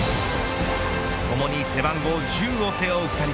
ともに背番号１０を背負う２人。